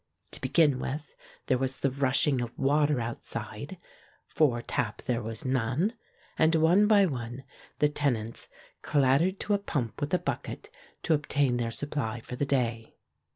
To begin with, there was the rushing of water outside, for tap there was none, and one by one the tenants clattered to a pump with a bucket, to obtain their supply for the day.